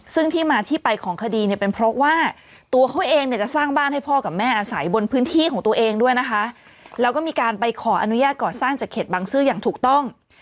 ซึ่งที่มาที่ไปของคดีเนี่ยเป็นเพราะว่าตัวเขาเองเนี่ยจะสร้างบ้านให้พ่อกับแม่อาศัยบนพื้นที่ของตัวเองด้วยนะคะแล้วก็มีการไปขออนุญาตก่อสร้างจากเขตบังซื้ออย่างถูกต้อง